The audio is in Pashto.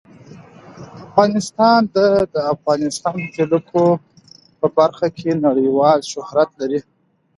افغانستان د د افغانستان جلکو په برخه کې نړیوال شهرت لري.